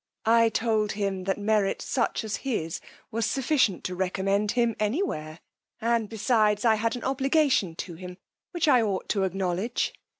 I told him that merit, such as his, was sufficient to recommend him any where; and, besides, I had an obligation to him which I ought to acknowledge.